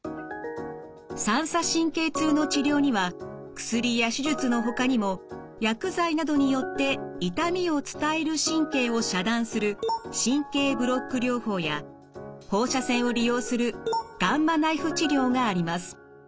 三叉神経痛の治療には薬や手術のほかにも薬剤などによって痛みを伝える神経を遮断する神経ブロック療法や放射線を利用するガンマナイフ治療があります。